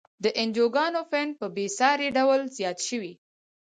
د انجوګانو فنډ په بیسارې ډول زیات شوی.